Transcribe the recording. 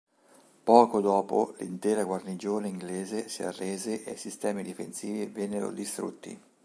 Poco dopo l'intera guarnigione inglese si arrese e i sistemi difensivi vennero distrutti.